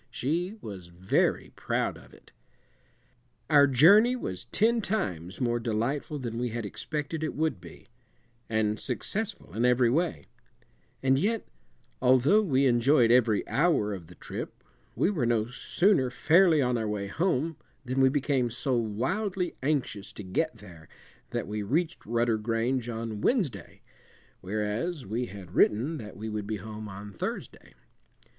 She was very proud of it. Our journey was ten times more delightful than we had expected it would be, and successful in every way; and yet, although we enjoyed every hour of the trip, we were no sooner fairly on our way home than we became so wildly anxious to get there that we reached Rudder Grange on Wednesday, whereas we had written that we would be home on Thursday.